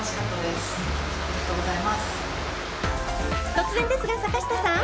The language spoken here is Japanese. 突然ですが、坂下さん